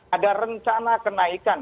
ada rencana kenaikan